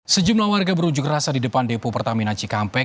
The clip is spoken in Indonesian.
sejumlah warga berunjuk rasa di depan depo pertamina cikampek